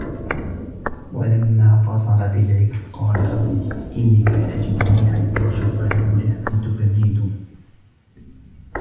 ولما فصلت العير قال أبوهم إني لأجد ريح يوسف لولا أن تفندون